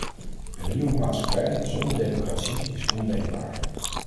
Een nieuwe maatschappij zonder democratie is ondenkbaar.